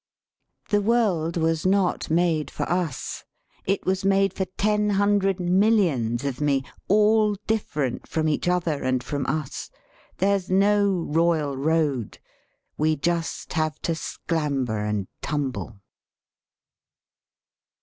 "The world was not made for us; it was made for ten hundred millions of me, all different from each other and from us; there's no royal road, we just have to sclamber and tumble."